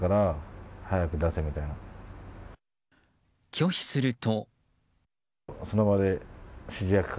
拒否すると。